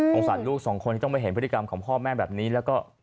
สารลูกสองคนที่ต้องไปเห็นพฤติกรรมของพ่อแม่แบบนี้แล้วก็